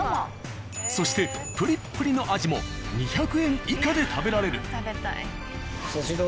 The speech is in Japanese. そしてプリップリのあじも２００円以下で食べられる。